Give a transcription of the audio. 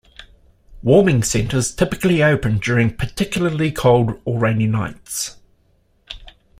Warming centers typically open during particularly cold or rainy nights.